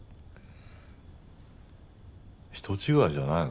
人違いじゃないの？